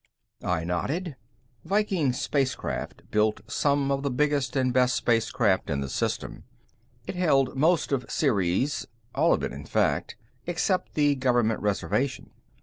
I nodded. Viking Spacecraft built some of the biggest and best spacecraft in the System. It held most of Ceres all of it, in fact, except the Government Reservation.